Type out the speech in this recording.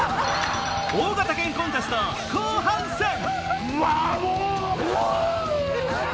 大型犬コンテスト後半戦ワオン！